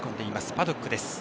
パドックです。